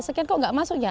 sekian kok gak masuk ya